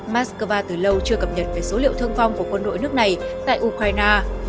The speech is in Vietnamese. moscow từ lâu chưa cập nhật về số liệu thương vong của quân đội nước này tại ukraine